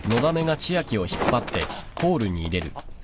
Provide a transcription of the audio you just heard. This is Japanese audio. あっ。